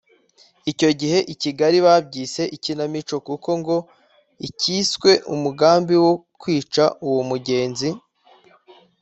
Icyo gihe i Kigali babyise ikinamico kuko ngo icyiswe umugambi wo kwica uwo Mugenzi